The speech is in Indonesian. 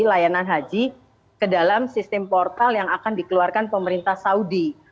layanan haji ke dalam sistem portal yang akan dikeluarkan pemerintah saudi